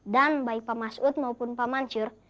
dan baik pak masud maupun pak mancur